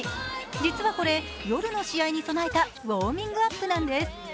実はこれ、夜の試合に備えたウォーミングアップなんです。